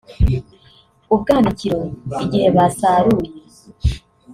ubwanikiro igihe basaruye